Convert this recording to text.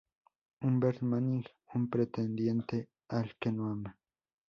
Hubert Manning, un pretendiente al que no ama.